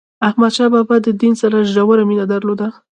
احمد شاه بابا د دین سره ژوره مینه درلوده.